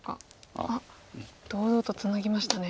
あっ堂々とツナぎましたね。